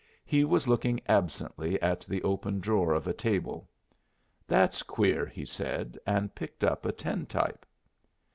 He was looking absently at the open drawer of a table. "That's queer," he said, and picked up a tintype.